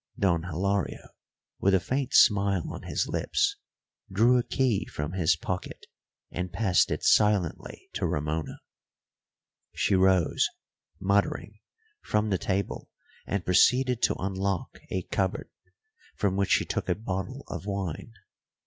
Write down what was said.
Don Hilario, with a faint smile on his lips, drew a key from his pocket and passed it silently to Ramona. She rose, muttering, from the table and proceeded to unlock a cupboard, from which she took a bottle of wine.